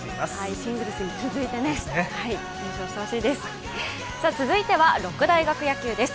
シングルスに続いて優勝してほしいです。